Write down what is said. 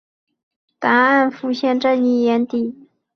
答案浮现在妳眼底